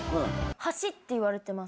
橋っていわれてます。